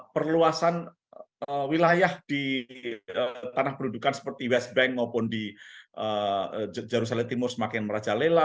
perluasan wilayah di tanah pendudukan seperti west bank maupun di jerusalem timur semakin merajalela